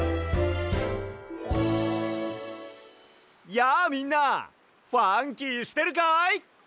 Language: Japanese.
やあみんなファンキーしてるかい？